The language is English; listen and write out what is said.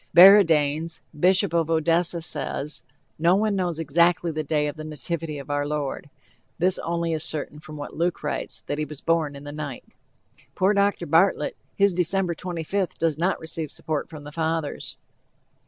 Baradaens, Bishop of Odessa, says: "No one knows exactly the day of the nativity of our Lord: this only is certain from what Luke writes, that he was born in the night." Poor Dr. Bartlett, his December 25th does not receive support from the Fathers.